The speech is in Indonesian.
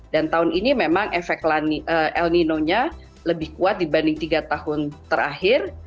dan tahun ini memang efek el nino nya lebih kuat dibanding tiga tahun terakhir